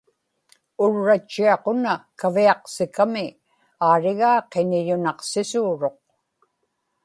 urratchiaq una kaviaqsikami aarigaa qiñiyunaqsisuuruq